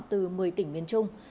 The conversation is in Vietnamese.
từ một mươi tỉnh miền trung